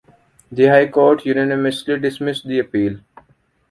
The High Court unanimously dismissed the appeal.